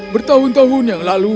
bertahun tahun yang lalu